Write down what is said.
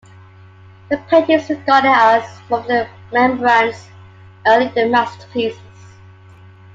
The painting is regarded as one of Rembrandt's early masterpieces.